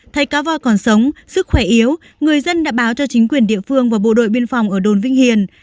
thấy cá voi còn sống sức khỏe yếu người dân đã báo cho chính quyền địa phương và bộ đội biên phòng ở đồn vinh hiền